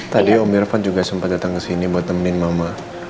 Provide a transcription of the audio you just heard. tadi om irfan juga sempat datang kesini buat nemenin mama